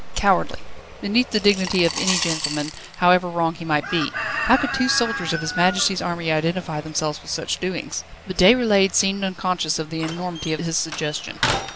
cowardly! beneath the dignity of any gentleman, however wrong he might be. How could two soldiers of His Majesty's army identify themselves with such doings? But Déroulède seemed unconscious of the enormity of his suggestion.